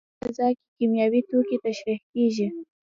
په دې فضا کې کیمیاوي توکي ترشح کېږي.